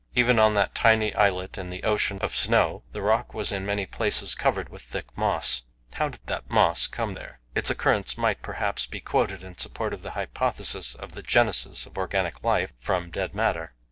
Even on that tiny islet in the ocean of snow the rock was in many places covered with thick moss. How did that moss come there? Its occurrence might, perhaps, be quoted in support of the hypothesis of the genesis of organic life from, dead matter.